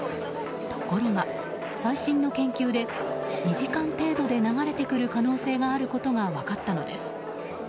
ところが、最新の研究で２時間程度で流れてくる可能性があることが分かったのです。